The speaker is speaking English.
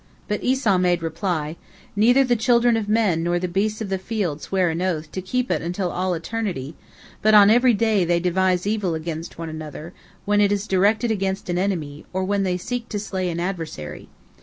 But Esau made reply: "Neither the children of men nor the beasts of the field swear an oath to keep it unto all eternity, but on every day they devise evil against one another, when it is directed against an enemy, or when they seek to slay an adversary.